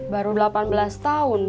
baru delapan belas tahun